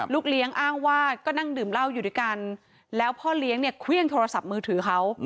เลี้ยงอ้างว่าก็นั่งดื่มเหล้าอยู่ด้วยกันแล้วพ่อเลี้ยงเนี่ยเครื่องโทรศัพท์มือถือเขา